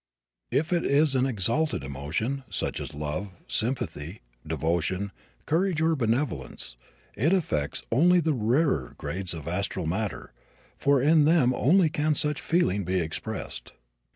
If it is an exalted emotion, such as love, sympathy, devotion, courage or benevolence, it affects only the rarer grades of astral matter, for in them only can such feeling be expressed.